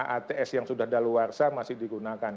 ats yang sudah ada luar sana masih digunakan